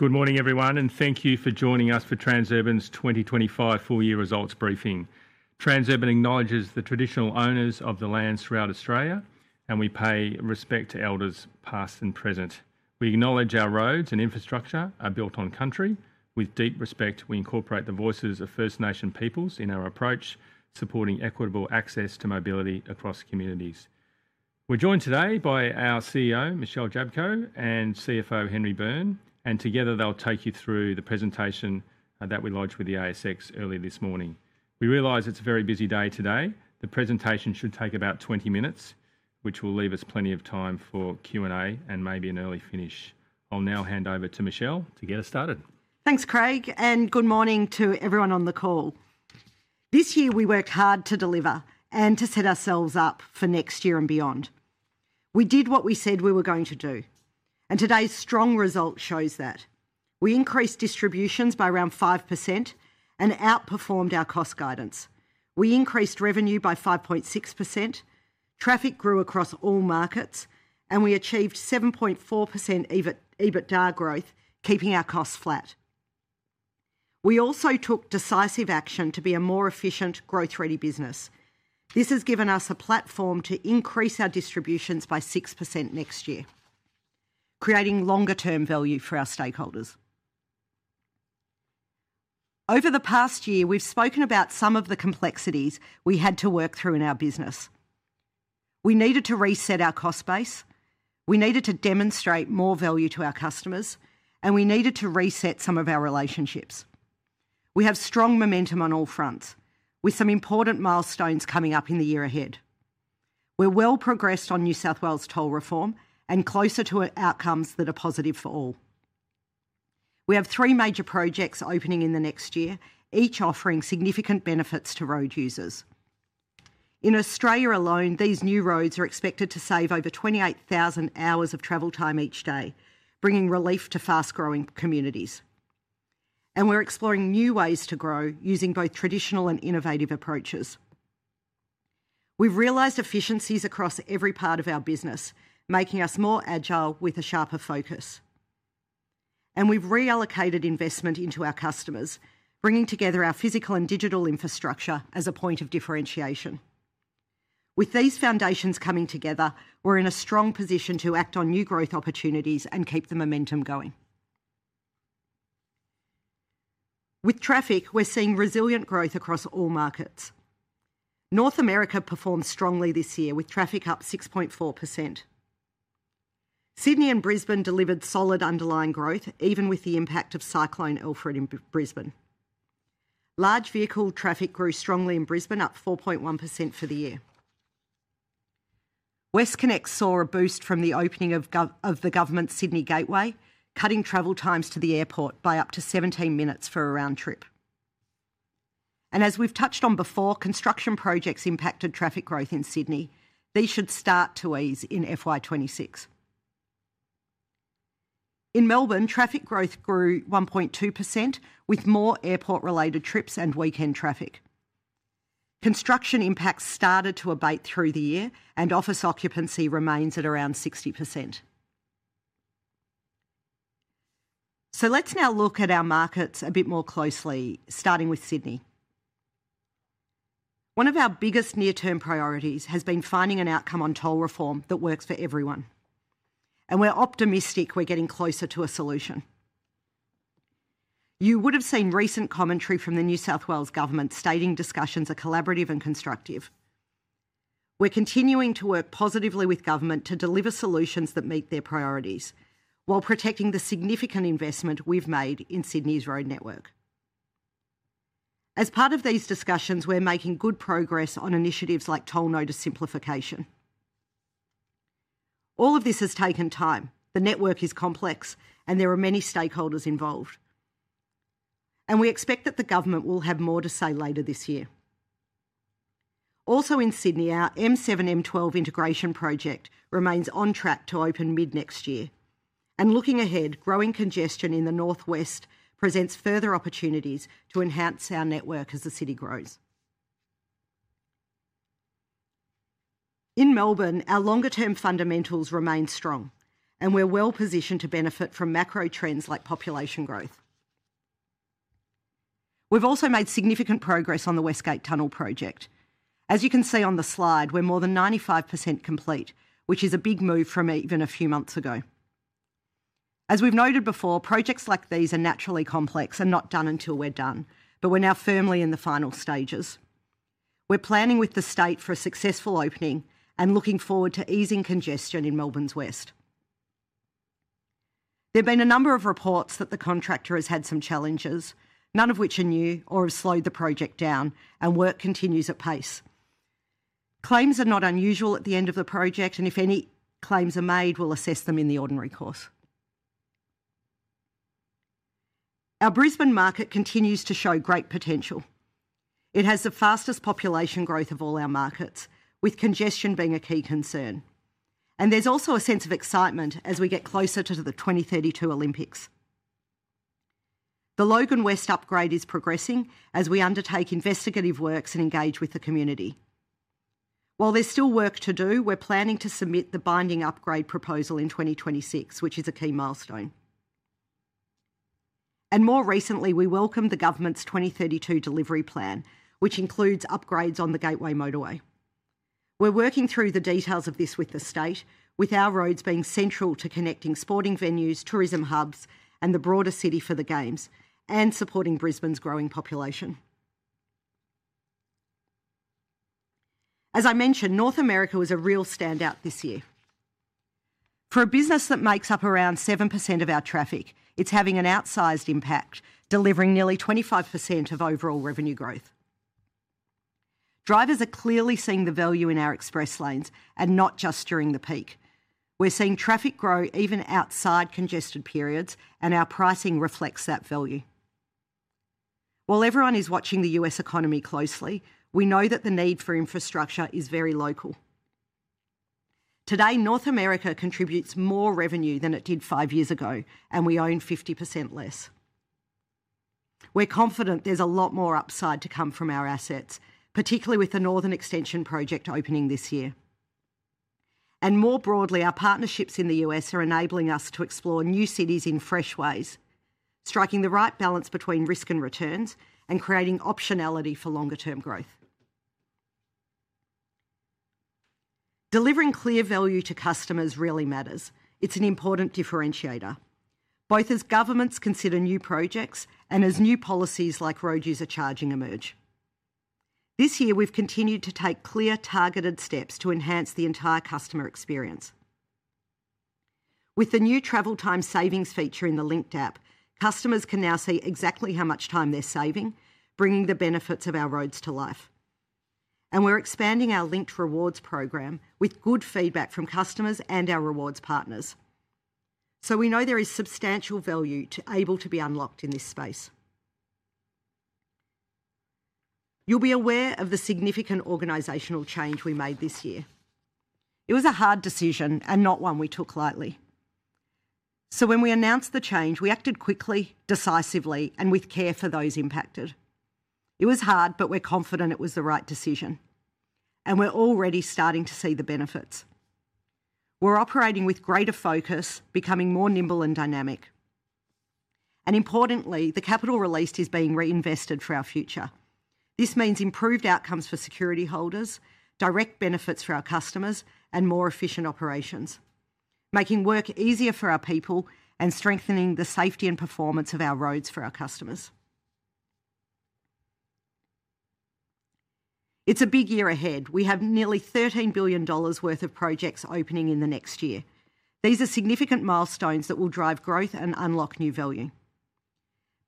Good morning everyone, and thank you for joining us for Transurban's 2025 full-year results briefing. Transurban acknowledges the traditional owners of the lands throughout Australia, and we pay respect to elders past and present. We acknowledge our roads and infrastructure are built on country. With deep respect, we incorporate the voices of First Nation peoples in our approach, supporting equitable access to mobility across communities. We're joined today by our CEO, Michelle Jablko, and CFO, Henry Byrne, and together they'll take you through the presentation that we launched with the ASX early this morning. We realize it's a very busy day today. The presentation should take about 20 minutes, which will leave us plenty of time for Q&A and maybe an early finish. I'll now hand over to Michelle to get us started. Thanks, Craig, and good morning to everyone on the call. This year we worked hard to deliver and to set ourselves up for next year and beyond. We did what we said we were going to do, and today's strong result shows that. We increased distributions by around 5% and outperformed our cost guidance. We increased revenue by 5.6%, traffic grew across all markets, and we achieved 7.4% EBITDA growth, keeping our costs flat. We also took decisive action to be a more efficient, growth-ready business. This has given us a platform to increase our distributions by 6% next year, creating longer-term value for our stakeholders. Over the past year, we've spoken about some of the complexities we had to work through in our business. We needed to reset our cost base, we needed to demonstrate more value to our customers, and we needed to reset some of our relationships. We have strong momentum on all fronts, with some important milestones coming up in the year ahead. We're well progressed on New South Wales toll reform and closer to outcomes that are positive for all. We have three major projects opening in the next year, each offering significant benefits to road users. In Australia alone, these new roads are expected to save over 28,000 hours of travel time each day, bringing relief to fast-growing communities. We're exploring new ways to grow using both traditional and innovative approaches. We've realized efficiencies across every part of our business, making us more agile with a sharper focus. We've reallocated investment into our customers, bringing together our physical and digital infrastructure as a point of differentiation. With these foundations coming together, we're in a strong position to act on new growth opportunities and keep the momentum going. With traffic, we're seeing resilient growth across all markets. North America performed strongly this year, with traffic up 6.4%. Sydney and Brisbane delivered solid underlying growth, even with the impact of Cyclone Alfred in Brisbane. Large vehicle traffic grew strongly in Brisbane, up 4.1% for the year. WestConnex saw a boost from the opening of the government's Sydney Gateway, cutting travel times to the airport by up to 17 minutes for a round trip. As we've touched on before, construction projects impacted traffic growth in Sydney. These should start to ease in FY 2026. In Melbourne, traffic growth grew 1.2%, with more airport-related trips and weekend traffic. Construction impacts started to abate through the year, and office occupancy remains at around 60%. Let's now look at our markets a bit more closely, starting with Sydney. One of our biggest near-term priorities has been finding an outcome on toll reform that works for everyone. We're optimistic we're getting closer to a solution. You would have seen recent commentary from the New South Wales government stating discussions are collaborative and constructive. We're continuing to work positively with government to deliver solutions that meet their priorities, while protecting the significant investment we've made in Sydney's road network. As part of these discussions, we're making good progress on initiatives like toll notice simplification. All of this has taken time, the network is complex, and there are many stakeholders involved. We expect that the government will have more to say later this year. Also in Sydney, our M7/M12 integration project remains on track to open mid-next year. Looking ahead, growing congestion in the northwest presents further opportunities to enhance our network as the city grows. In Melbourne, our longer-term fundamentals remain strong, and we're well positioned to benefit from macro trends like population growth. We've also made significant progress on the West Gate Tunnel project. As you can see on the slide, we're more than 95% complete, which is a big move from even a few months ago. As we've noted before, projects like these are naturally complex and not done until we're done, but we're now firmly in the final stages. We're planning with the state for a successful opening and looking forward to easing congestion in Melbourne's west. There have been a number of reports that the contractor has had some challenges, none of which are new or have slowed the project down, and work continues at pace. Claims are not unusual at the end of the project, and if any claims are made, we'll assess them in the ordinary course. Our Brisbane market continues to show great potential. It has the fastest population growth of all our markets, with congestion being a key concern. There's also a sense of excitement as we get closer to the 2032 Olympics. The Logan West upgrade is progressing as we undertake investigative works and engage with the community. While there's still work to do, we're planning to submit the binding upgrade proposal in 2026, which is a key milestone. More recently, we welcomed the government's 2032 delivery plan, which includes upgrades on the Gateway Motorway. We are working through the details of this with the state, with our roads being central to connecting sporting venues, tourism hubs, and the broader city for the games, and supporting Brisbane's growing population. As I mentioned, North America was a real standout this year. For a business that makes up around 7% of our traffic, it is having an outsized impact, delivering nearly 25% of overall revenue growth. Drivers are clearly seeing the value in our Express Lanes, and not just during the peak. We are seeing traffic grow even outside congested periods, and our pricing reflects that value. While everyone is watching the U.S. economy closely, we know that the need for infrastructure is very local. Today, North America contributes more revenue than it did five years ago, and we own 50% less. We are confident there is a lot more upside to come from our assets, particularly with the Northern Extension project opening this year. More broadly, our partnerships in the U.S. are enabling us to explore new cities in fresh ways, striking the right balance between risk and returns, and creating optionality for longer-term growth. Delivering clear value to customers really matters. It is an important differentiator, both as governments consider new projects and as new policies like road user charging emerge. This year, we have continued to take clear, targeted steps to enhance the entire customer experience. With the new travel time savings feature in the Linkt app, customers can now see exactly how much time they are saving, bringing the benefits of our roads to life. We are expanding our Linkt rewards program with good feedback from customers and our rewards partners. We know there is substantial value able to be unlocked in this space. You will be aware of the significant organizational change we made this year. It was a hard decision and not one we took lightly. When we announced the change, we acted quickly, decisively, and with care for those impacted. It was hard, but we are confident it was the right decision. We are already starting to see the benefits. We are operating with greater focus, becoming more nimble and dynamic. Importantly, the capital released is being reinvested for our future. This means improved outcomes for security holders, direct benefits for our customers, and more efficient operations, making work easier for our people and strengthening the safety and performance of our roads for our customers. It's a big year ahead. We have nearly $13 billion worth of projects opening in the next year. These are significant milestones that will drive growth and unlock new value.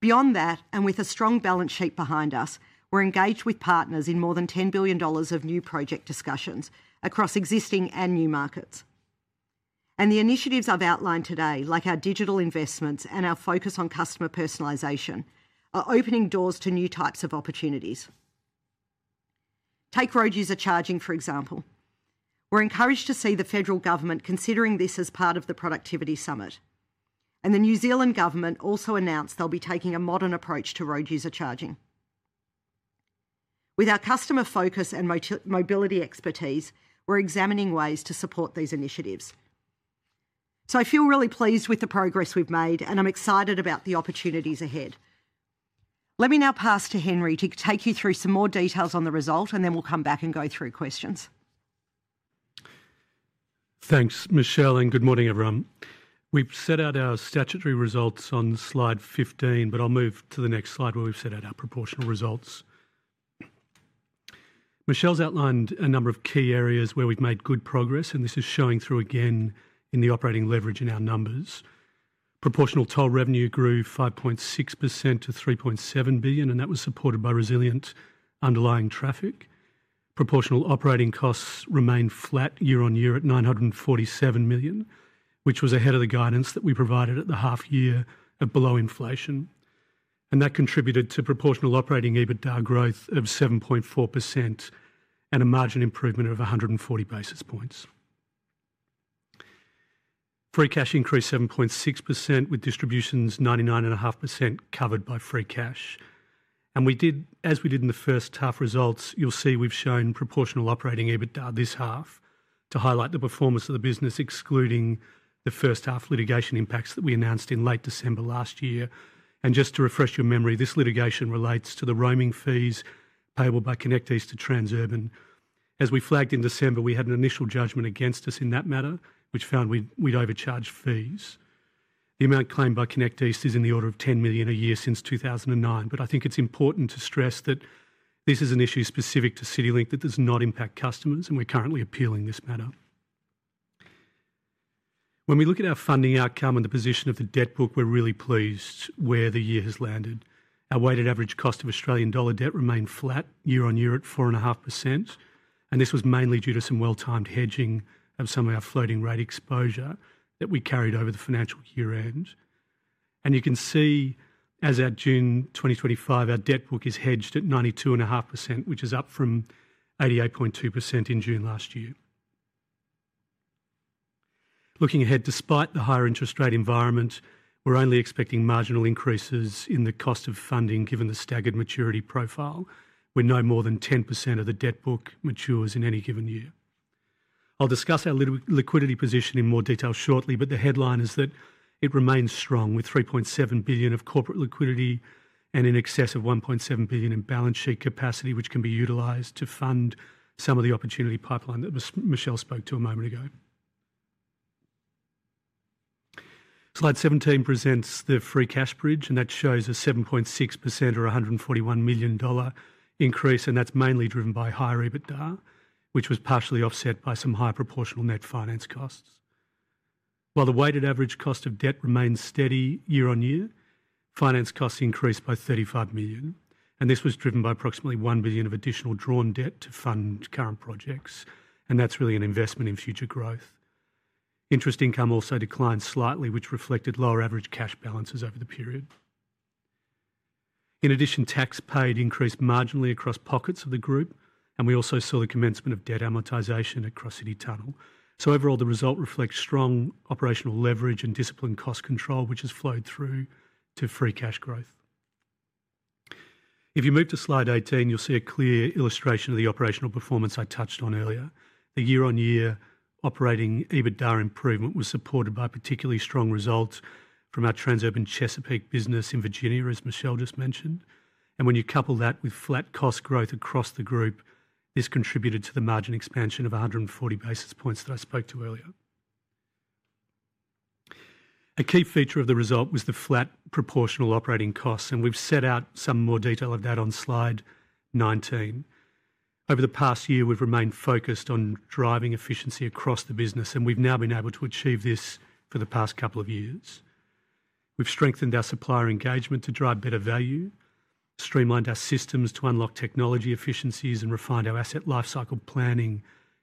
Beyond that, with a strong balance sheet behind us, we're engaged with partners in more than $10 billion of new project discussions across existing and new markets. The initiatives I've outlined today, like our digital investments and our focus on customer personalization, are opening doors to new types of opportunities. Take road user charging, for example. We're encouraged to see the federal government considering this as part of the Productivity Summit. The New Zealand government also announced they'll be taking a modern approach to road user charging. With our customer focus and mobility expertise, we're examining ways to support these initiatives. I feel really pleased with the progress we've made, and I'm excited about the opportunities ahead. Let me now pass to Henry to take you through some more details on the result, and then we'll come back and go through questions. Thanks, Michelle, and good morning, everyone. We've set out our statutory results on slide 15, but I'll move to the next slide where we've set out our proportional results. Michelle's outlined a number of key areas where we've made good progress, and this is showing through again in the operating leverage in our numbers. Proportional toll revenue grew 5.6% to $3.7 billion, and that was supported by resilient underlying traffic. Proportional operating costs remained flat year on year at $947 million, which was ahead of the guidance that we provided at the half year below inflation. That contributed to proportional operating EBITDA growth of 7.4% and a margin improvement of 140 basis points. Free cash increased 7.6% with distributions 99.5% covered by free cash. As we did in the first half results, you'll see we've shown proportional operating EBITDA this half to highlight the performance of the business, excluding the first half litigation impacts that we announced in late December last year. Just to refresh your memory, this litigation relates to the roaming fees payable by ConnectEast to Transurban. As we flagged in December, we had an initial judgment against us in that matter, which found we'd overcharged fees. The amount claimed by ConnectEast is in the order of $10 million a year since 2009, but I think it's important to stress that this is an issue specific to CityLink that does not impact customers, and we're currently appealing this matter. When we look at our funding outcome and the position of the debt book, we're really pleased where the year has landed. Our weighted average cost of Australian dollar debt remained flat year on year at 4.5%, and this was mainly due to some well-timed hedging of some of our floating rate exposure that we carried over the financial year end. You can see as at June 2025, our debt book is hedged at 92.5%, which is up from 88.2% in June last year. Looking ahead, despite the higher interest rate environment, we're only expecting marginal increases in the cost of funding given the staggered maturity profile, when no more than 10% of the debt book matures in any given year. I'll discuss our liquidity position in more detail shortly, but the headline is that it remains strong with $3.7 billion of corporate liquidity and in excess of $1.7 billion in balance sheet capacity, which can be utilized to fund some of the opportunity pipeline that Michelle spoke to a moment ago. Slide 17 presents the free cash bridge, and that shows a 7.6% or $141 million increase, and that's mainly driven by higher EBITDA, which was partially offset by some higher proportional net finance costs. While the weighted average cost of debt remains steady year on year, finance costs increased by $35 million, and this was driven by approximately $1 billion of additional drawn debt to fund current projects, and that's really an investment in future growth. Interest income also declined slightly, which reflected lower average cash balances over the period. In addition, tax paid increased marginally across pockets of the group, and we also saw the commencement of debt amortization across CityLink. Overall, the result reflects strong operational leverage and disciplined cost control, which has flowed through to free cash growth. If you move to slide 18, you'll see a clear illustration of the operational performance I touched on earlier. The year-on-year operating EBITDA improvement was supported by particularly strong results from our Transurban Chesapeake business in Virginia, as Michelle just mentioned. When you couple that with flat cost growth across the group, this contributed to the margin expansion of 140 basis points that I spoke to earlier. A key feature of the result was the flat proportional operating costs, and we've set out some more detail of that on slide 19. Over the past year, we've remained focused on driving efficiency across the business, and we've now been able to achieve this for the past couple of years. We've strengthened our supplier engagement to drive better value, streamlined our systems to unlock technology efficiencies, and refined our asset lifecycle planning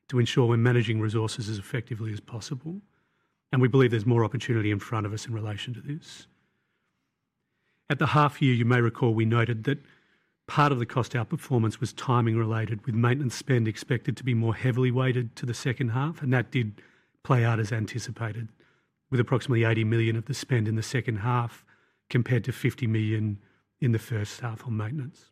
to ensure we're managing resources as effectively as possible. We believe there's more opportunity in front of us in relation to this. At the half year, you may recall we noted that part of the cost outperformance was timing related, with maintenance spend expected to be more heavily weighted to the second half, and that did play out as anticipated, with approximately $80 million of the spend in the second half compared to $50 million in the first half on maintenance.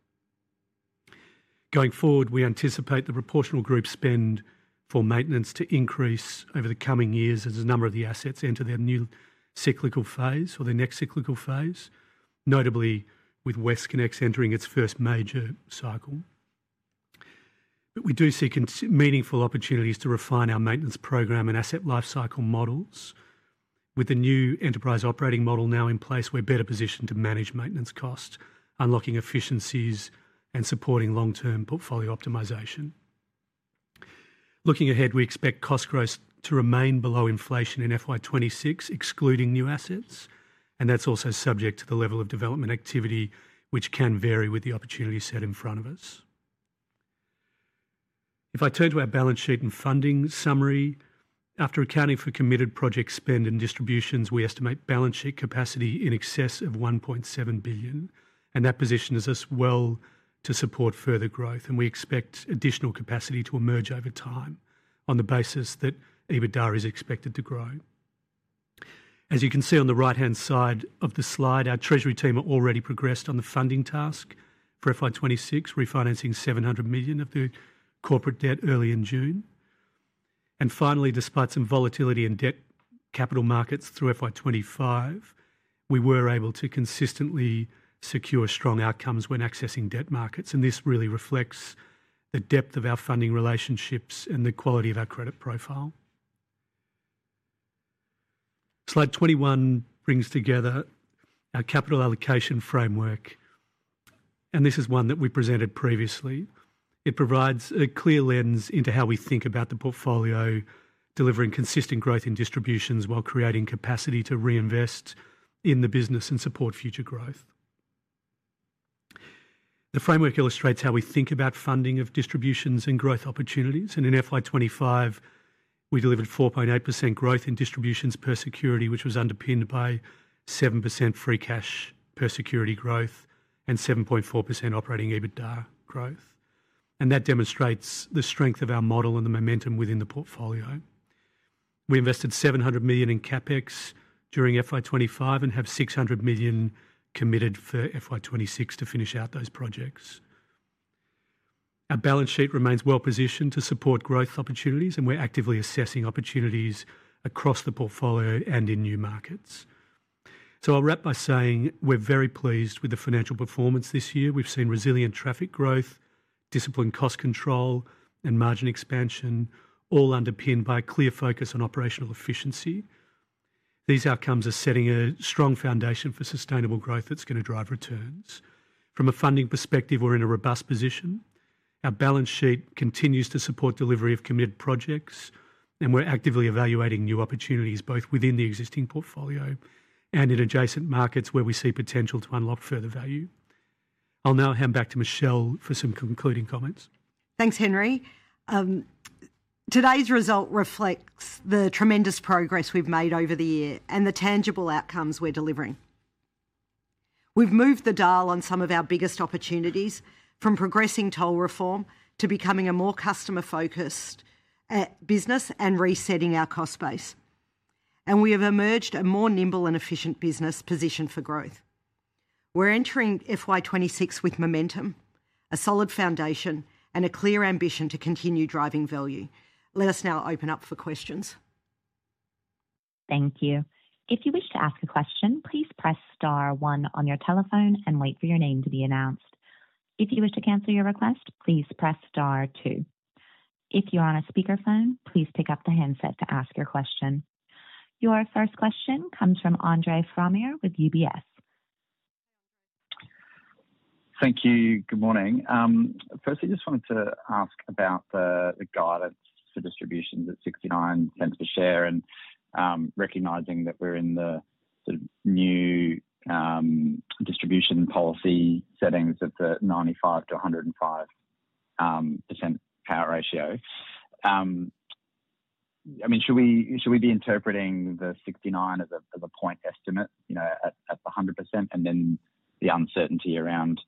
Going forward, we anticipate the proportional group spend for maintenance to increase over the coming years as a number of the assets enter their new cyclical phase or their next cyclical phase, notably with WestConnex entering its first major cycle. We do see meaningful opportunities to refine our maintenance program and asset lifecycle models. With the new enterprise operating model now in place, we're better positioned to manage maintenance costs, unlocking efficiencies, and supporting long-term portfolio optimization. Looking ahead, we expect cost growth to remain below inflation in FY 2026, excluding new assets, and that's also subject to the level of development activity, which can vary with the opportunity set in front of us. If I turn to our balance sheet and funding summary, after accounting for committed project spend and distributions, we estimate balance sheet capacity in excess of $1.7 billion, and that positions us well to support further growth. We expect additional capacity to emerge over time on the basis that EBITDA is expected to grow. As you can see on the right-hand side of the slide, our treasury team has already progressed on the funding task for FY 2026, refinancing $700 million of the corporate debt early in June. Finally, despite some volatility in debt capital markets through FY 2025, we were able to consistently secure strong outcomes when accessing debt markets, and this really reflects the depth of our funding relationships and the quality of our credit profile. Slide 21 brings together our capital allocation framework, and this is one that we presented previously. It provides a clear lens into how we think about the portfolio, delivering consistent growth in distributions while creating capacity to reinvest in the business and support future growth. The framework illustrates how we think about funding of distributions and growth opportunities, and in FY 2025, we delivered 4.8% growth in distributions per security, which was underpinned by 7% free cash per security growth and 7.4% operating EBITDA growth. That demonstrates the strength of our model and the momentum within the portfolio. We invested $700 million in CapEx during FY 2025 and have $600 million committed for FY 2026 to finish out those projects. Our balance sheet remains well positioned to support growth opportunities, and we're actively assessing opportunities across the portfolio and in new markets. I'll wrap by saying we're very pleased with the financial performance this year. We've seen resilient traffic growth, disciplined cost control, and margin expansion, all underpinned by a clear focus on operational efficiency. These outcomes are setting a strong foundation for sustainable growth that's going to drive returns. From a funding perspective, we're in a robust position. Our balance sheet continues to support delivery of committed projects, and we're actively evaluating new opportunities both within the existing portfolio and in adjacent markets where we see potential to unlock further value. I'll now hand back to Michelle for some concluding comments. Thanks, Henry. Today's result reflects the tremendous progress we've made over the year and the tangible outcomes we're delivering. We've moved the dial on some of our biggest opportunities, from progressing toll reform to becoming a more customer-focused business and resetting our cost base. We have emerged a more nimble and efficient business positioned for growth. We're entering FY 2026 with momentum, a solid foundation, and a clear ambition to continue driving value. Let us now open up for questions. Thank you. If you wish to ask a question, please press star one on your telephone and wait for your name to be announced. If you wish to cancel your request, please press star two. If you are on a speakerphone, please pick up the handset to ask your question. Your first question comes from Andre Fromyhr with UBS. Thank you. Good morning. Firstly, I just wanted to ask about the guidance for distributions at $0.69 per share and recognizing that we're in the new distribution policy settings of the 95%-105% payout ratio. I mean, should we be interpreting the $0.69 as a point estimate, you know, at the 100%, and then the uncertainty around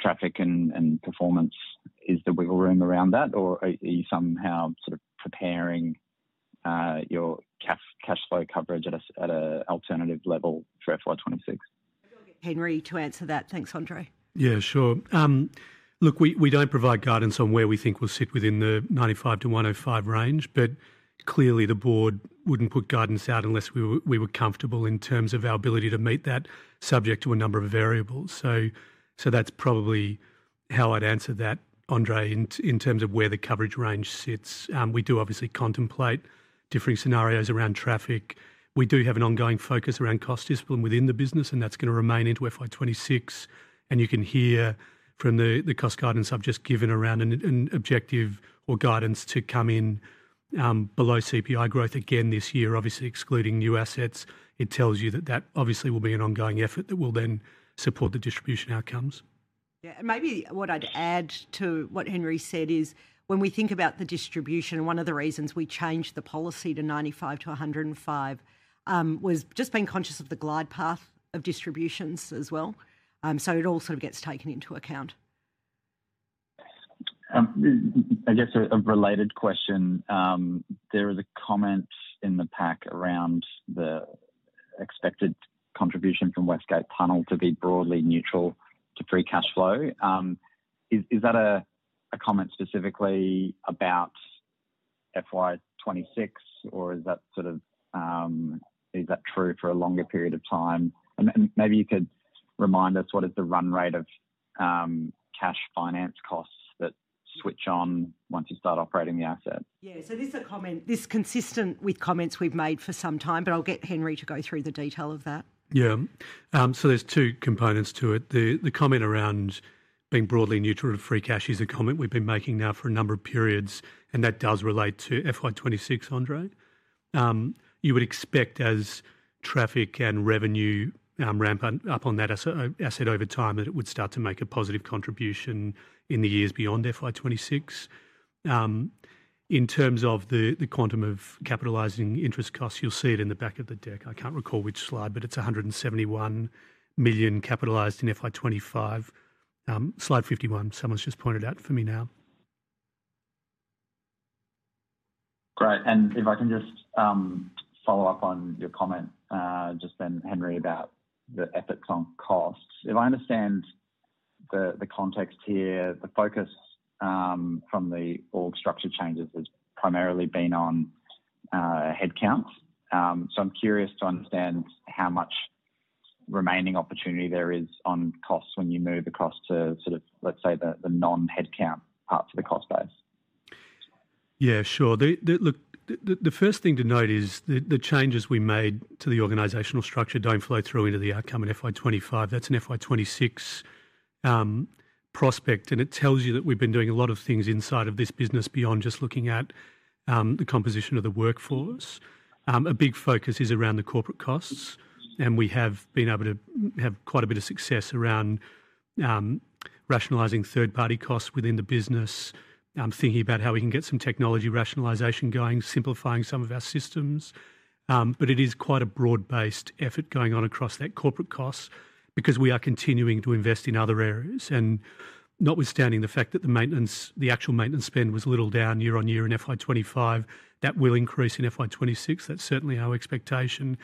traffic and performance is the wiggle room around that, or are you somehow sort of preparing your cash flow coverage at an alternative level for FY 2026? Henry, to answer that, thanks, Andre. Yeah, sure. Look, we don't provide guidance on where we think we'll sit within the 95%-105% range, but clearly the Board wouldn't put guidance out unless we were comfortable in terms of our ability to meet that, subject to a number of variables. That's probably how I'd answer that, Andre, in terms of where the coverage range sits. We do obviously contemplate differing scenarios around traffic. We do have an ongoing focus around cost discipline within the business, and that's going to remain into FY 2026. You can hear from the cost guidance I've just given around an objective or guidance to come in below CPI growth again this year, obviously excluding new assets. It tells you that will be an ongoing effort that will then support the distribution outcomes. Yeah, maybe what I'd add to what Henry said is when we think about the distribution, and one of the reasons we changed the policy to 95%-105% was just being conscious of the glide path of distributions as well. It all sort of gets taken into account. I guess a related question. There was a comment in the pack around the expected contribution from West Gate Tunnel to be broadly neutral to free cash flow. Is that a comment specifically about FY 2026, or is that true for a longer period of time? Maybe you could remind us what is the run rate of cash finance costs that switch on once you start operating the asset? Yeah, this is a comment that's consistent with comments we've made for some time, but I'll get Henry to go through the detail of that. Yeah, so there's two components to it. The comment around being broadly neutral to free cash is a comment we've been making now for a number of periods, and that does relate to FY 2026, Andre. You would expect as traffic and revenue ramp up on that asset over time that it would start to make a positive contribution in the years beyond FY 2026. In terms of the quantum of capitalizing interest costs, you'll see it in the back of the deck. I can't recall which slide, but it's $171 million capitalized in FY 2025. Slide 51, someone's just pointed out for me now. Great, and if I can just follow up on your comment just then, Henry, about the ethics on costs. If I understand the context here, the focus from the org structure changes has primarily been on headcounts. I'm curious to understand how much remaining opportunity there is on costs when you move across to, let's say, the non-headcount parts of the cost base. Yeah, sure. Look, the first thing to note is that the changes we made to the organizational structure don't flow through into the outcome in FY 2025. That's an FY 2026 prospect, and it tells you that we've been doing a lot of things inside of this business beyond just looking at the composition of the workforce. A big focus is around the corporate costs, and we have been able to have quite a bit of success around rationalizing third-party costs within the business, thinking about how we can get some technology rationalization going, simplifying some of our systems. It is quite a broad-based effort going on across that corporate cost because we are continuing to invest in other areas. Notwithstanding the fact that the actual maintenance spend was a little down year on year in FY 2025, that will increase in FY 2026. That's certainly our expectation,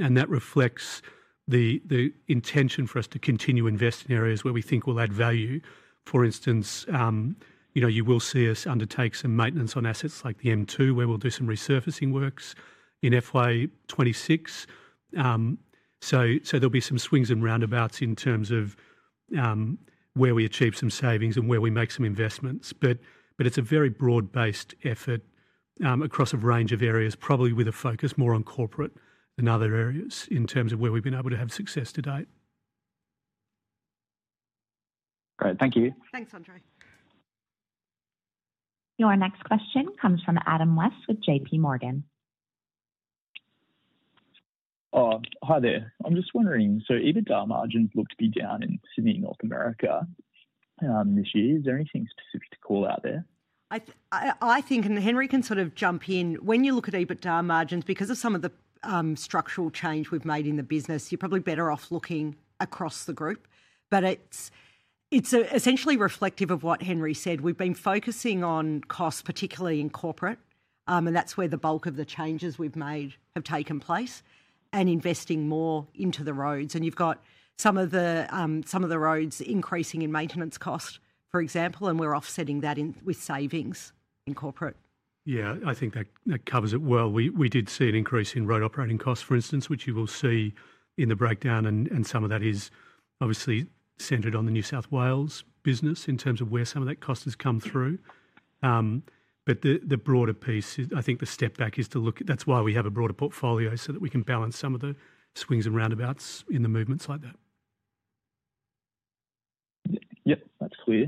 and that reflects the intention for us to continue to invest in areas where we think we'll add value. For instance, you know, you will see us undertake some maintenance on assets like the M2, where we'll do some resurfacing works in FY 2026. There'll be some swings and roundabouts in terms of where we achieve some savings and where we make some investments. It's a very broad-based effort across a range of areas, probably with a focus more on corporate than other areas in terms of where we've been able to have success to date. Great, thank you. Thanks, Andre. Your next question comes from Adam West with JPMorgan. Hi there. I'm just wondering, so EBITDA margins look to be down in Sydney, North America this year. Is there anything specific to call out there? I think, and Henry can sort of jump in, when you look at EBITDA margins, because of some of the structural change we've made in the business, you're probably better off looking across the group. It's essentially reflective of what Henry said. We've been focusing on costs, particularly in corporate, and that's where the bulk of the changes we've made have taken place, investing more into the roads. You've got some of the roads increasing in maintenance costs, for example, and we're offsetting that with savings in corporate. Yeah, I think that covers it well. We did see an increase in road operating costs, for instance, which you will see in the breakdown, and some of that is obviously centered on the New South Wales business in terms of where some of that cost has come through. The broader piece is, I think the step back is to look at that's why we have a broader portfolio so that we can balance some of the swings and roundabouts in the movements like that. Yep, that's clear.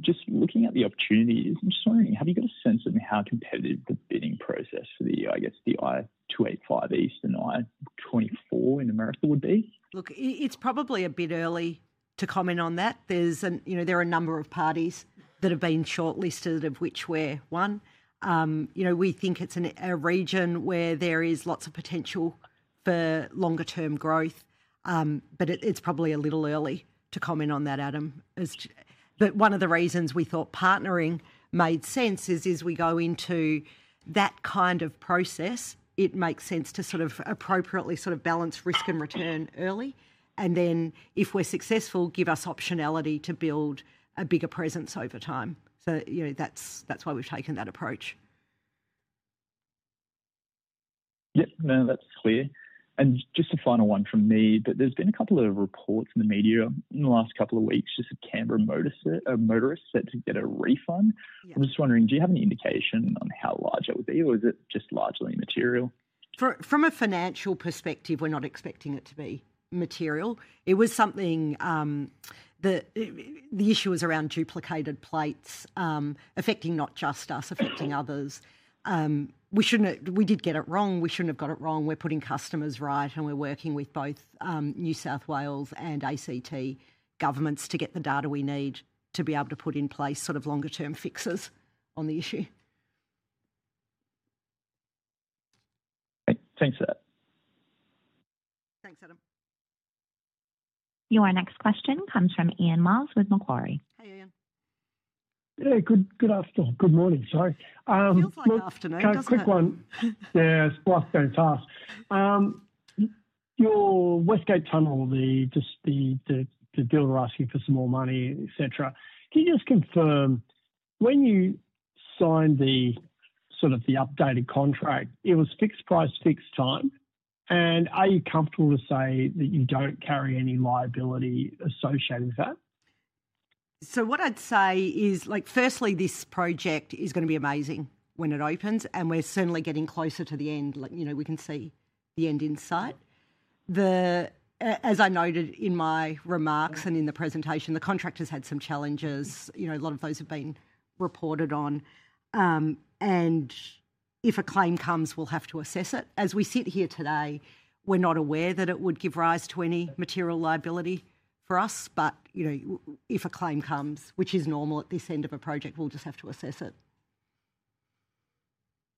Just looking at the opportunities, I'm just wondering, have you got a sense of how competitive the bidding process for the, I guess, the I-285 East and I-24 in America would be? Look, it's probably a bit early to comment on that. There are a number of parties that have been shortlisted, of which we're one. We think it's a region where there is lots of potential for longer-term growth, but it's probably a little early to comment on that, Adam. One of the reasons we thought partnering made sense is as we go into that kind of process, it makes sense to appropriately balance risk and return early, and then if we're successful, give us optionality to build a bigger presence over time. That's why we've taken that approach. Yep, no, that's clear. Just a final one from me, there's been a couple of reports in the media in the last couple of weeks that Canberra motorists are set to get a refund. I'm just wondering, do you have any indication on how large that would be, or is it just largely immaterial? From a financial perspective, we're not expecting it to be material. It was something that the issue was around duplicated plates, affecting not just us, affecting others. We did get it wrong. We shouldn't have got it wrong. We're putting customers right, and we're working with both New South Wales and ACT governments to get the data we need to be able to put in place longer-term fixes on the issue. Thanks. Thanks, Adam. Your next question comes from Ian Myles with Macquarie. Hey, Ian. Good afternoon. Good morning, sorry. Feels like afternoon. No problem. Quick one. Yeah, it's going fast. Your West Gate Tunnel, the dealer asking for some more money, et cetera. Can you just confirm when you signed the sort of the updated contract, it was fixed price, fixed time, and are you comfortable to say that you don't carry any liability associated with that? Firstly, this project is going to be amazing when it opens, and we're certainly getting closer to the end. We can see the end in sight. As I noted in my remarks and in the presentation, the contractors had some challenges. A lot of those have been reported on, and if a claim comes, we'll have to assess it. As we sit here today, we're not aware that it would give rise to any material liability for us, but if a claim comes, which is normal at this end of a project, we'll just have to assess it.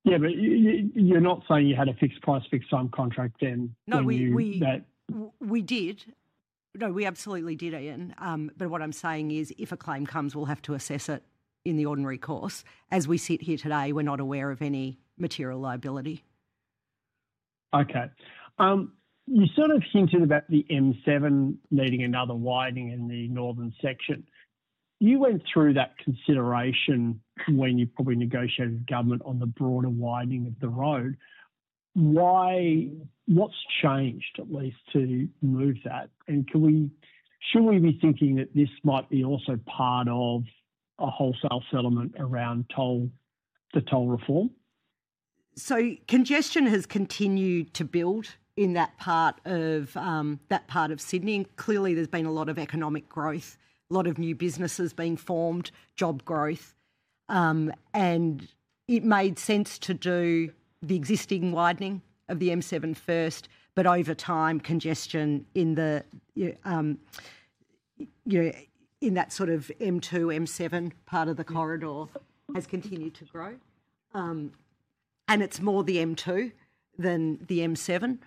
Yeah, you're not saying you had a fixed price, fixed time contract then? No, we did. No, we absolutely did, Ian. What I'm saying is, if a claim comes, we'll have to assess it in the ordinary course. As we sit here today, we're not aware of any material liability. Okay. You sort of hinted about the M7 needing another widening in the northern section. You went through that consideration when you probably negotiated with government on the broader widening of the road. What's changed, at least, to move that? Can we, should we be thinking that this might be also part of a wholesale settlement around the toll reform? Congestion has continued to build in that part of Sydney, and clearly there's been a lot of economic growth, a lot of new businesses being formed, job growth, and it made sense to do the existing widening of the M7 first. Over time, congestion in that sort of M2, M7 part of the corridor has continued to grow, and it's more the M2 than the M7.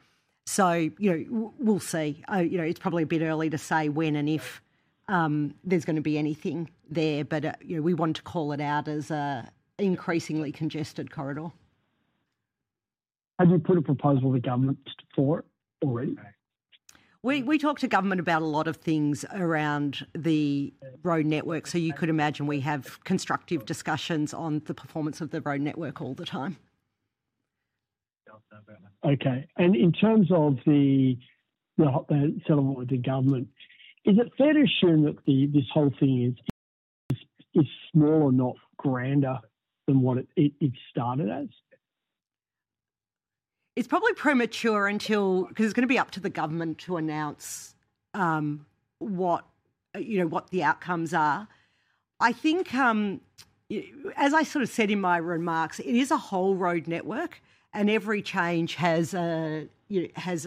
We'll see. It's probably a bit early to say when and if there's going to be anything there, but we want to call it out as an increasingly congested corridor. Have you put a proposal to government for it already? We talked to government about a lot of things around the road network, so you could imagine we have constructive discussions on the performance of the road network all the time. Okay. In terms of the settlement with the government, is it fair to assume that this whole thing is smaller, not grander, than what it started as? It's probably premature because it's going to be up to the government to announce what the outcomes are. I think, as I sort of said in my remarks, it is a whole road network, and every change has a, it's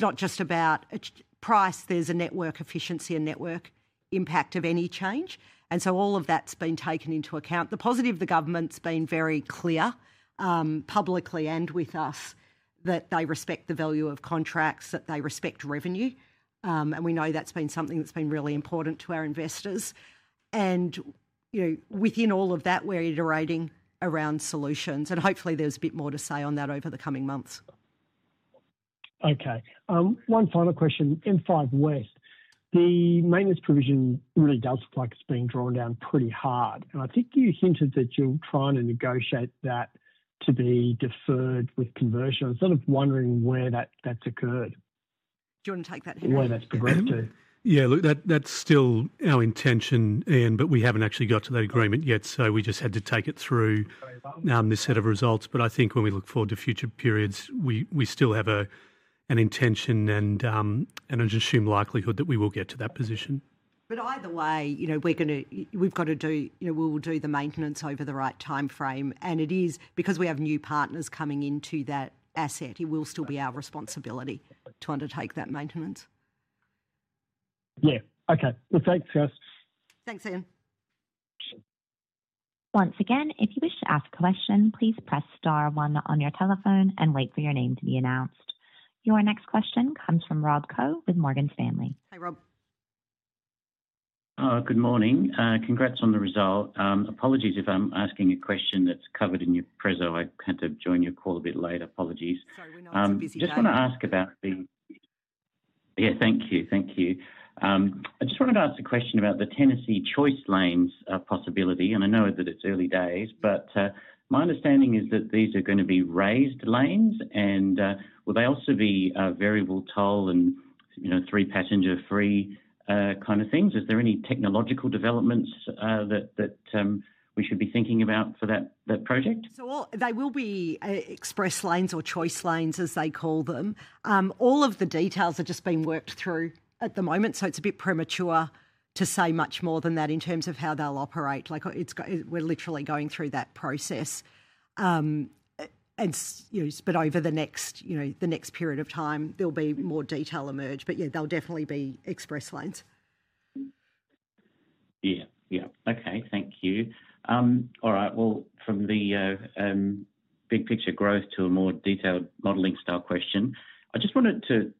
not just about a price. There's a network efficiency and network impact of any change, and all of that's been taken into account. The positive is the government's been very clear, publicly and with us, that they respect the value of contracts, that they respect revenue, and we know that's been something that's been really important to our investors. Within all of that, we're iterating around solutions, and hopefully there's a bit more to say on that over the coming months. Okay. One final question. In 5 West, the maintenance provision really does look like it's being drawn down pretty hard, and I think you hinted that you're trying to negotiate that to be deferred with conversion. I'm sort of wondering where that's occurred. Do you want to take that, Henry? Where that's occurred? Yeah, look, that's still our intention, Ian, we haven't actually got to that agreement yet, so we just had to take it through now in this set of results. I think when we look forward to future periods, we still have an intention and an unassumed likelihood that we will get to that position. Either way, we've got to do, you know, we will do the maintenance over the right timeframe, and it is because we have new partners coming into that asset. It will still be our responsibility to undertake that maintenance. Yeah, okay. Thanks, guys. Thanks, Ian. Once again, if you wish to ask a question, please press star one on your telephone and wait for your name to be announced. Your next question comes from Rob Koh with Morgan Stanley. Hey, Rob. Good morning. Congrats on the result. Apologies if I'm asking a question that's covered in your presentation. I had to join your call a bit late. Apologies. Sorry, we're not too busy today. Thank you. I just wanted to ask a question about the Tennessee Choice Lanes possibility. I know that it's early days, but my understanding is that these are going to be raised lanes. Will they also be variable toll and three passenger free kind of things? Is there any technological developments that we should be thinking about for that project? They will be express lanes or choice lanes, as they call them. All of the details are just being worked through at the moment, so it's a bit premature to say much more than that in terms of how they'll operate. We're literally going through that process. Over the next period of time, there'll be more detail emerge, but yeah, they'll definitely be express lanes. Okay, thank you. All right, from the big picture growth to a more detailed modeling style question, I just wanted to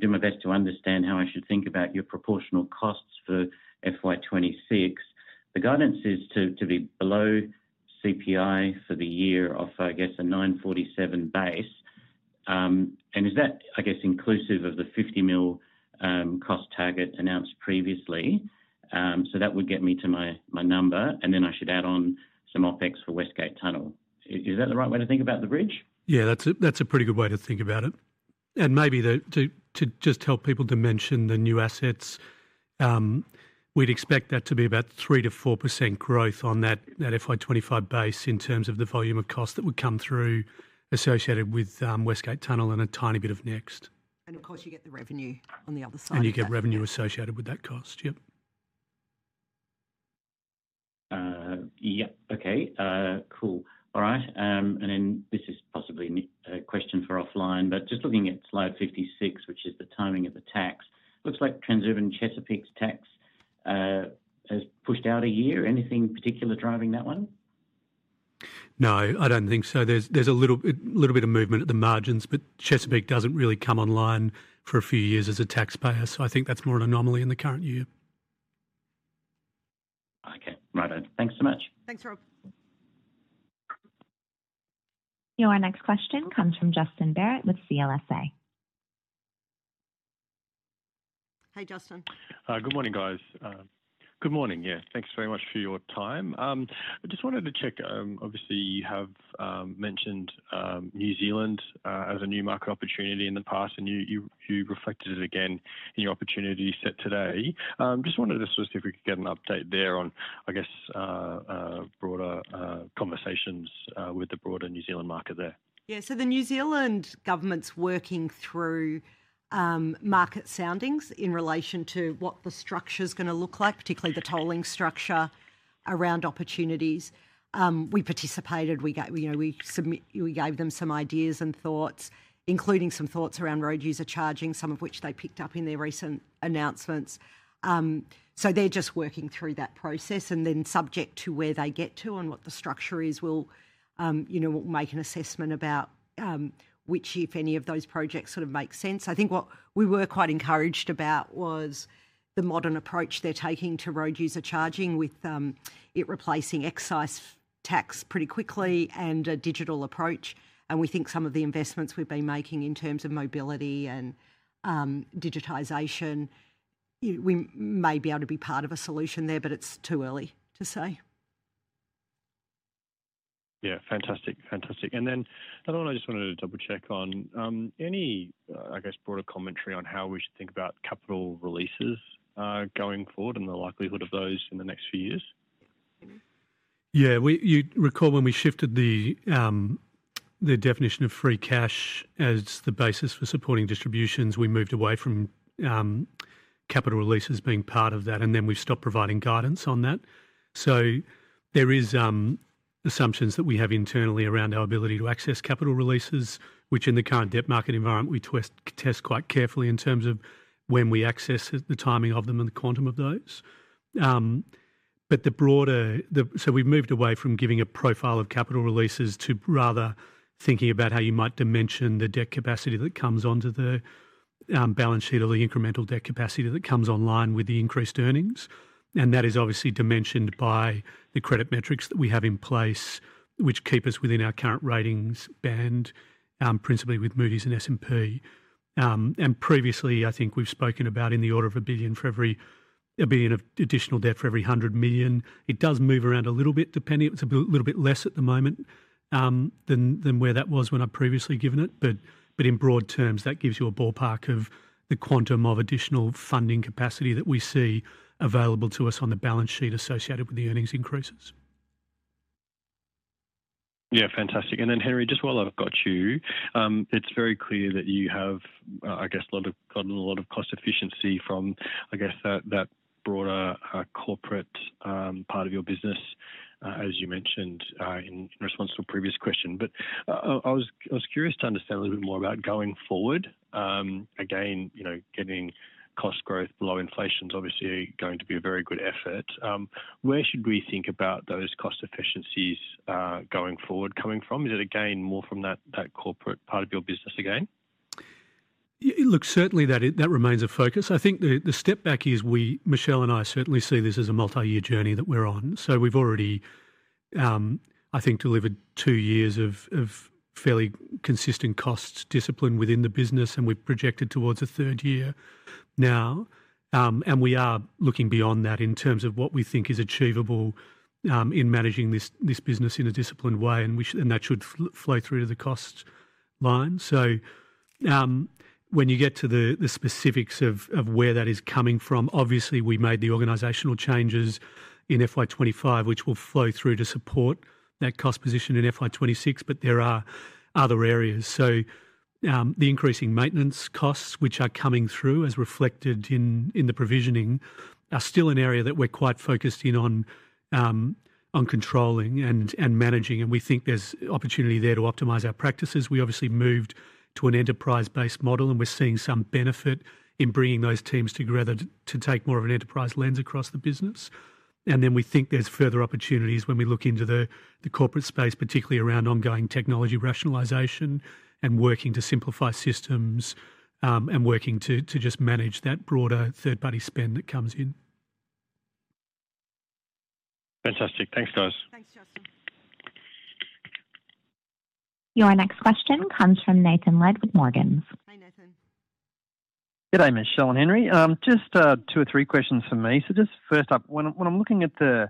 do my best to understand how I should think about your proportional costs for FY 2026. The guidance is to be below CPI for the year of, I guess, a $947 million base. Is that, I guess, inclusive of the $50 million cost target announced previously? That would get me to my number, and then I should add on some OpEx for West Gate Tunnel. Is that the right way to think about the bridge? Yeah, that's a pretty good way to think about it. Maybe to just help people dimension the new assets, we'd expect that to be about 3%-4% growth on that FY 2025 base in terms of the volume of costs that would come through associated with West Gate Tunnel and a tiny bit of NEXT. You get the revenue on the other side. You get revenue associated with that cost, yep. Okay, all right, and this is possibly a question for offline, but just looking at slide 56, which is the timing of the tax, looks like Transurban's tax has pushed out a year. Anything particular driving that one? No, I don't think so. There's a little bit of movement at the margins, but Chesapeake doesn't really come online for a few years as a taxpayer. I think that's more an anomaly in the current year. Okay, right on. Thanks so much. Thanks, Rob. Your next question comes from Justin Barratt with CLSA. Hey, Justin. Good morning, guys. Good morning, yeah. Thanks very much for your time. I just wanted to check, obviously, you have mentioned New Zealand as a new market opportunity in the past, and you reflected it again in your opportunity set today. I just wanted to see if we could get an update there on, I guess, broader conversations with the broader New Zealand market there. Yeah, the New Zealand government's working through market soundings in relation to what the structure is going to look like, particularly the tolling structure around opportunities. We participated, we gave them some ideas and thoughts, including some thoughts around road user charging, some of which they picked up in their recent announcements. They're just working through that process, and then subject to where they get to and what the structure is, we'll make an assessment about which, if any, of those projects sort of make sense. I think what we were quite encouraged about was the modern approach they're taking to road user charging with it replacing excise tax pretty quickly and a digital approach. We think some of the investments we've been making in terms of mobility and digitization, we may be able to be part of a solution there, but it's too early to say. Yeah, fantastic, fantastic. Another one I just wanted to double check on, any broader commentary on how we should think about capital releases going forward and the likelihood of those in the next few years? Yeah. You recall when we shifted the definition of free cash as the basis for supporting distributions, we moved away from capital releases being part of that, and we've stopped providing guidance on that. There are assumptions that we have internally around our ability to access capital releases, which in the current debt market environment we test quite carefully in terms of when we access it, the timing of them, and the quantum of those. We've moved away from giving a profile of capital releases to rather thinking about how you might dimension the debt capacity that comes onto the balance sheet or the incremental debt capacity that comes online with the increased earnings. That is obviously dimensioned by the credit metrics that we have in place, which keep us within our current ratings band, principally with Moody's and S&P. Previously, I think we've spoken about in the order of $1 billion of additional debt for every $100 million. It does move around a little bit, depending, it's a little bit less at the moment than where that was when I've previously given it. In broad terms, that gives you a ballpark of the quantum of additional funding capacity that we see available to us on the balance sheet associated with the earnings increases. Yeah, fantastic. Henry, just while I've got you, it's very clear that you have gotten a lot of cost efficiency from that broader corporate part of your business, as you mentioned in response to a previous question. I was curious to understand a little bit more about going forward. Getting cost growth below inflation is obviously going to be a very good effort. Where should we think about those cost efficiencies going forward coming from? Is it again more from that corporate part of your business again? Yeah. Look, certainly that remains a focus. I think the step back is we, Michelle and I, certainly see this as a multi-year journey that we're on. We've already, I think, delivered two years of fairly consistent cost discipline within the business, and we've projected towards a third year now. We are looking beyond that in terms of what we think is achievable in managing this business in a disciplined way, and that should flow through to the cost line. When you get to the specifics of where that is coming from, obviously we made the organizational changes in FY 2025, which will flow through to support that cost position in FY 2026, but there are other areas. The increasing maintenance costs, which are coming through as reflected in the provisioning, are still an area that we're quite focused in on controlling and managing, and we think there's opportunity there to optimize our practices. We obviously moved to an enterprise-based model, and we're seeing some benefit in bringing those teams together to take more of an enterprise lens across the business. We think there's further opportunities when we look into the corporate space, particularly around ongoing technology rationalization and working to simplify systems and working to just manage that broader third-party spend that comes in. Fantastic. Thanks, guys. Thanks, Justin. Your next question comes from Nathan Lead with Morgans. Hi, Nathan. Good day, Michelle and Henry. Just two or three questions for me. First up, when I'm looking at the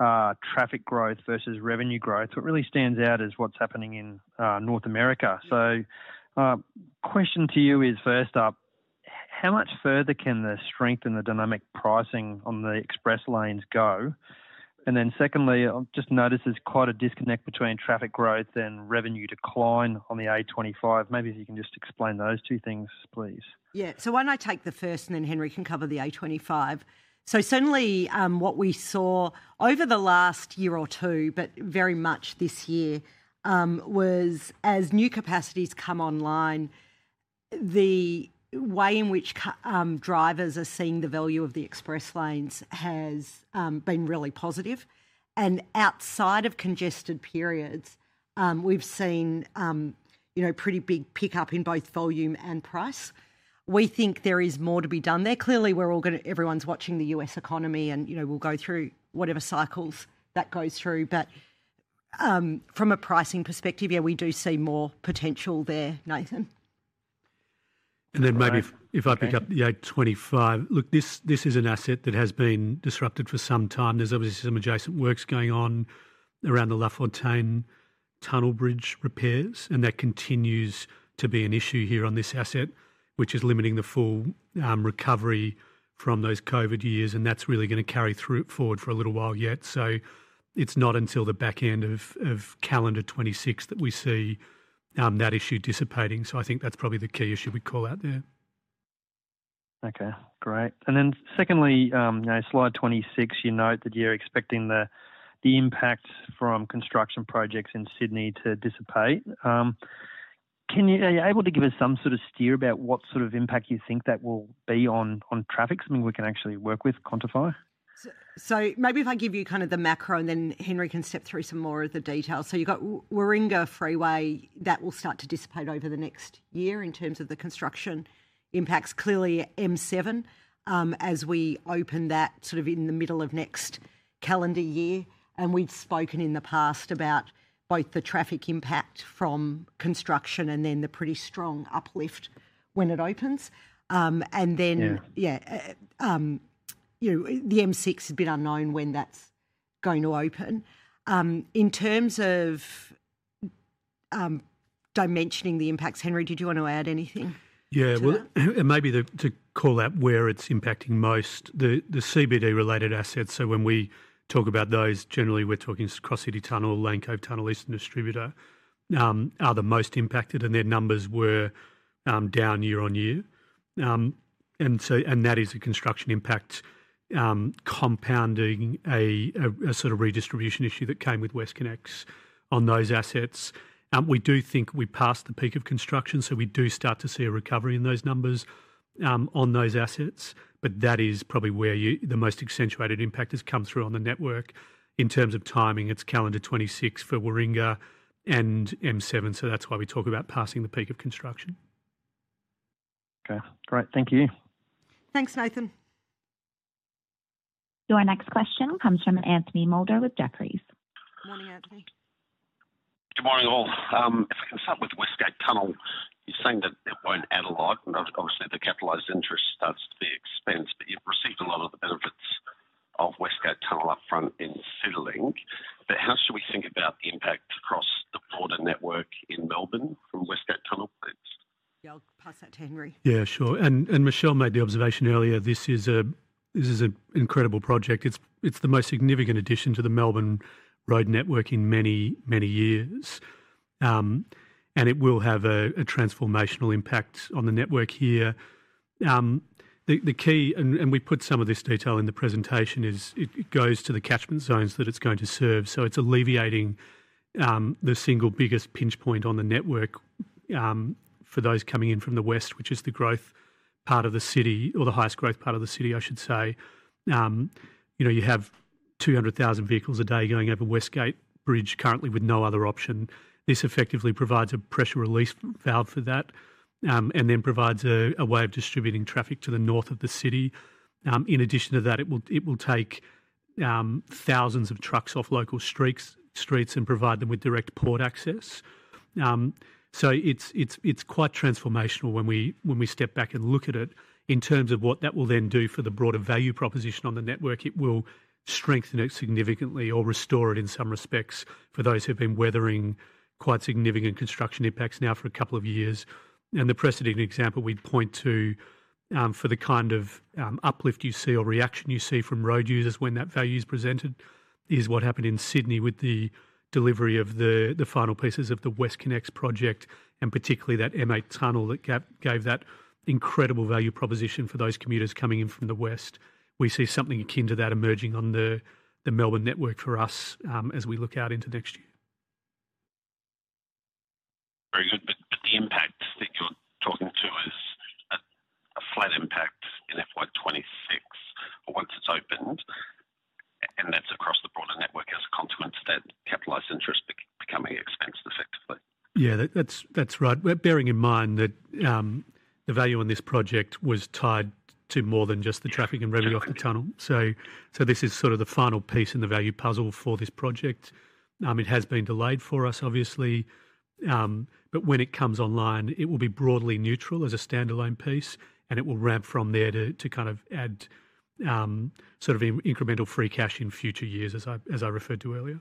traffic growth versus revenue growth, what really stands out is what's happening in North America. My question to you is, first up, how much further can the strength and the dynamic pricing on the Express Lanes go? I've just noticed there's quite a disconnect between traffic growth and revenue decline on the A25. Maybe if you can just explain those two things, please. Yeah, why don't I take the first, and then Henry can cover the A25. Certainly what we saw over the last year or two, but very much this year, was as new capacities come online, the way in which drivers are seeing the value of the express lanes has been really positive. Outside of congested periods, we've seen a pretty big pickup in both volume and price. We think there is more to be done there. Clearly, everyone's watching the U.S. economy, and you know we'll go through whatever cycles that goes through. From a pricing perspective, yeah, we do see more potential there, Nathan. If I pick up the A25, look, this is an asset that has been disrupted for some time. There's obviously some adjacent works going on around the Lafontaine Tunnel Bridge repairs, and that continues to be an issue here on this asset, which is limiting the full recovery from those COVID years, and that's really going to carry through it forward for a little while yet. It's not until the back end of calendar 2026 that we see that issue dissipating. I think that's probably the key issue we'd call out there. Okay, great. Secondly, you know slide 26, you note that you're expecting the impact from construction projects in Sydney to dissipate. Can you, are you able to give us some sort of steer about what sort of impact you think that will be on traffic? Something we can actually work with, quantify? If I give you kind of the macro, Henry can step through some more of the details. You've got Warringah Freeway, that will start to dissipate over the next year in terms of the construction impacts. Clearly, M7, as we open that sort of in the middle of next calendar year, we've spoken in the past about both the traffic impact from construction and then the pretty strong uplift when it opens. The M6 has been unknown when that's going to open. In terms of dimensioning the impacts, Henry, did you want to add anything? Yeah, and maybe to call out where it's impacting most, the CBD-related assets. When we talk about those, generally we're talking Cross City Tunnel, Lane Cove Tunnel, Eastern Distributor, are the most impacted, and their numbers were down year on year. That is a construction impact compounding a sort of redistribution issue that came with WestConnex on those assets. We do think we passed the peak of construction, so we do start to see a recovery in those numbers on those assets, but that is probably where the most accentuated impact has come through on the network in terms of timing. It's calendar 2026 for Warringah and M7, so that's why we talk about passing the peak of construction. Okay, great. Thank you. Thanks, Nathan. Your next question comes from Anthony Moulder with Jefferies. Morning, Anthony. Good morning all. If I can start with the West Gate Tunnel, you're saying that it won't add a lot, and obviously the capitalized interest starts to be expensed, but you've received a lot of the benefits of West Gate Tunnel upfront in CityLink. How should we think about the impact across the broader network in Melbourne from West Gate Tunnel? Yeah, I'll pass that to Henry Byrne. Yeah, sure. Michelle made the observation earlier, this is an incredible project. It's the most significant addition to the Melbourne road network in many, many years, and it will have a transformational impact on the network here. The key, and we put some of this detail in the presentation, is it goes to the catchment zones that it's going to serve. It's alleviating the single biggest pinch point on the network for those coming in from the west, which is the growth part of the city, or the highest growth part of the city, I should say. You have 200,000 vehicles a day going over West Gate Bridge currently with no other option. This effectively provides a pressure release valve for that and then provides a way of distributing traffic to the north of the city. In addition to that, it will take thousands of trucks off local streets and provide them with direct port access. It's quite transformational when we step back and look at it in terms of what that will then do for the broader value proposition on the network. It will strengthen it significantly or restore it in some respects for those who've been weathering quite significant construction impacts now for a couple of years. The preceding example we'd point to for the kind of uplift you see or reaction you see from road users when that value is presented is what happened in Sydney with the delivery of the final pieces of the WestConnex project and particularly that M8 tunnel that gave that incredible value proposition for those commuters coming in from the west. We see something akin to that emerging on the Melbourne network for us as we look out into next year. Very good. The impact that you're talking to is a flat impact in FY 2026 once it's opened, and that's across the broader network as a consequence of that capitalized interest becoming expensive effectively. Yeah, that's right. Bearing in mind that the value on this project was tied to more than just the traffic and revenue off the tunnel, this is sort of the final piece in the value puzzle for this project. It has been delayed for us, obviously, but when it comes online, it will be broadly neutral as a standalone piece, and it will ramp from there to kind of add incremental free cash in future years, as I referred to earlier.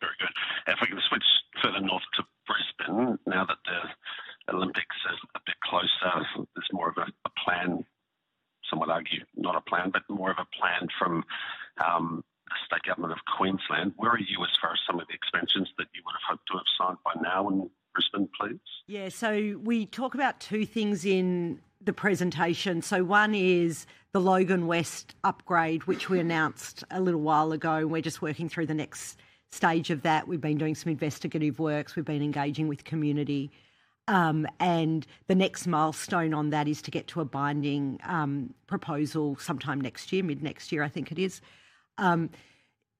Very good. If we can switch further north to Brisbane, now that the Olympics are a bit closer, it's more of a plan, some would argue not a plan, but more of a plan from the State Government of Queensland. Where are you as far as some of the expenses that you would have had to have signed by now in Brisbane, please? Yeah, we talk about two things in the presentation. One is the Logan West upgrade, which we announced a little while ago, and we're just working through the next stage of that. We've been doing some investigative works, we've been engaging with the community, and the next milestone on that is to get to a binding proposal sometime next year, mid-next year, I think it is.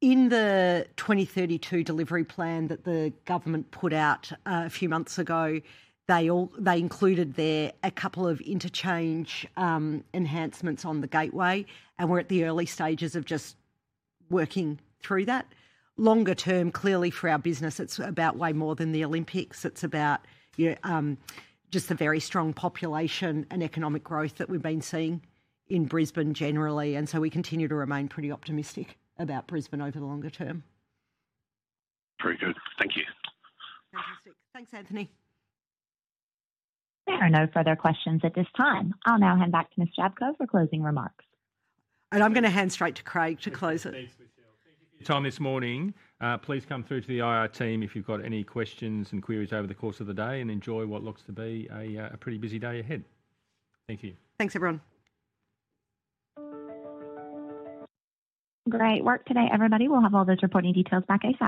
In the 2032 delivery plan that the government put out a few months ago, they included there a couple of interchange enhancements on the Gateway, and we're at the early stages of just working through that. Longer term, clearly for our business, it's about way more than the Olympics. It's about just a very strong population and economic growth that we've been seeing in Brisbane generally, and we continue to remain pretty optimistic about Brisbane over the longer term. Very good. Thank you. Fantastic. Thanks, Anthony. There are no further questions at this time. I'll now hand back to Ms. Jablko for closing remarks. I'm going to hand straight to Craig to close it. Time this morning. Please come through to the IR team if you've got any questions and queries over the course of the day, and enjoy what looks to be a pretty busy day ahead. Thank you. Thanks, everyone. Great work today, everybody. We'll have all those reporting details back at you.